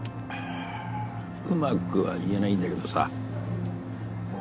あうまくは言えないんだけどさ